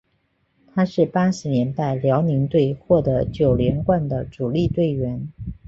他是八十年代辽宁队获得九连冠的主力队员。